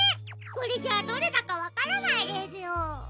これじゃあどれだかわからないですよ。